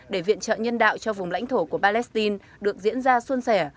để viện trợ nhân đạo cho vùng lãnh thổ của palestine được diễn ra xuân sẻ